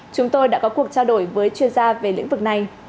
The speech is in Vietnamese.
chúng tôi đã có cuộc trao đổi với chuyên gia về lĩnh vực này